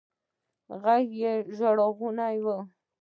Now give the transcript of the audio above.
ږغ يې ژړغونى و.